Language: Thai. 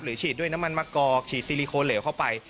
ฉีดด้วยน้ำมันมะกอกฉีดซีลิโคนเหลวเข้าไป